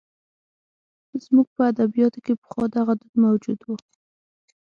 زموږ په ادبیاتو کې پخوا دغه دود موجود و.